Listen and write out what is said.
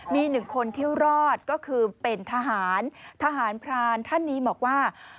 มีหนึ่งคนที่รอดก็คือเป็นทหารทหารพรานท่านนี้บอกว่า